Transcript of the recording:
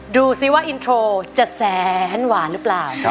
ดูสิว่าอินโทรจะแสนหวานหรือเปล่าครับครับ